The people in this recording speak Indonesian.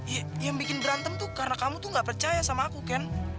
ya yang bikin berantem tuh karena kamu tuh gak percaya sama aku kan